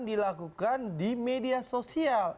dilakukan di media sosial